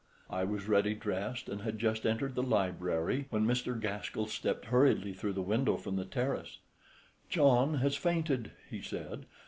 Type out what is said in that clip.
I was ready dressed and had just entered the library when Mr. Gaskell stepped hurriedly through the window from the terrace. "John has fainted!" he said.